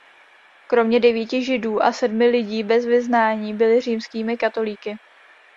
Kromě devíti židů a sedmi lidí bez vyznání byli římskými katolíky.